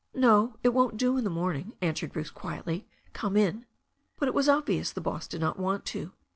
"No, it won't do in the morning," answered Bruce quietly. "Come in." But it was obvious the boss did not want to.